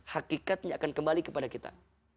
hakikatnya akan kembali kepada kita